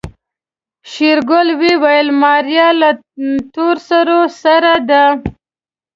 شېرګل وويل ماريا له تورسرو سره ده.